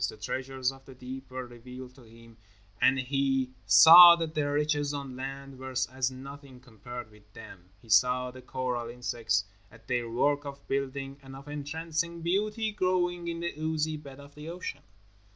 The treasures of the deep were revealed to him, and he saw that the riches on land were as nothing compared with them. He saw the coral insects at their work of building, and of entrancing beauty growing in the oozy bed of the ocean.